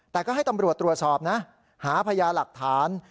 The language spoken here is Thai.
แต่ก็ให้ตำรวจตรวจสอบนะหาพญาหลักฐาน